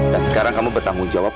dan sekarang kamu bertanggung jawab